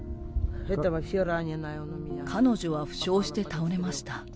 彼女は負傷して倒れました。